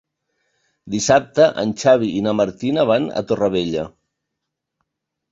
Dissabte en Xavi i na Martina van a Torrevella.